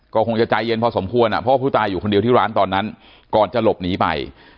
ก็คงจะใจเย็นพอสมควรเพราะว่าผู้ตายอยู่คนเดียวที่ร้านตอนนั้นก่อนจะหลบหนีไป